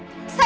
bapak ibu mau